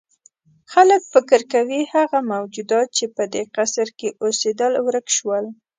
خلک فکر کوي هغه موجودات چې په دې قصر کې اوسېدل ورک شول.